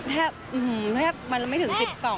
แทบไม่ถึงสิบสอง